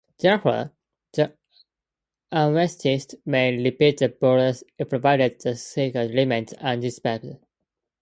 Thereafter, the anaesthetist may repeat the bolus provided the catheter remains undisturbed.